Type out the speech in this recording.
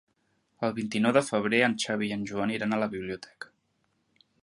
El vint-i-nou de febrer en Xavi i en Joan iran a la biblioteca.